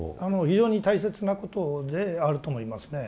非常に大切なことであると思いますね。